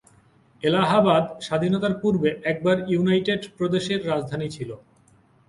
এলাহাবাদ স্বাধীনতার পূর্বে একবার ইউনাইটেড প্রদেশের রাজধানী ছিল।